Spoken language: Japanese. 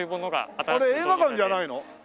あれ映画館じゃないの？